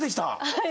はい。